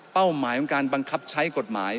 หมายของการบังคับใช้กฎหมาย